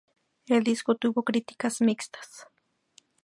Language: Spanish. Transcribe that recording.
El disco obtuvo críticas mixtas.